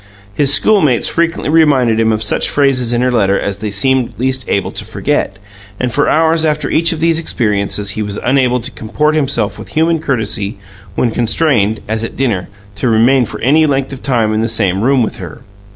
His schoolmates frequently reminded him of such phrases in her letter as they seemed least able to forget, and for hours after each of these experiences he was unable to comport himself with human courtesy when constrained (as at dinner) to remain for any length of time in the same room with her.